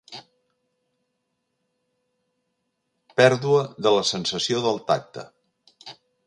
Pèrdua de la sensació del tacte.